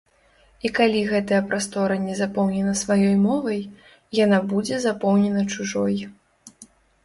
І калі гэтая прастора не запоўнена сваёй мовай, яна будзе запоўнена чужой.